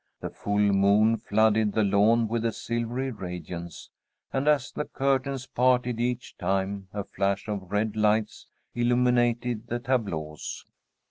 The full moon flooded the lawn with a silvery radiance, and as the curtains parted each time, a flash of red lights illuminated the tableaux.